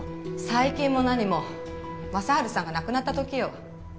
最近も何も正春さんが亡くなった時よ。